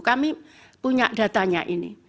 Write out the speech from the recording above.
kami punya datanya ini